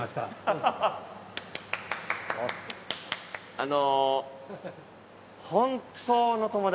あの。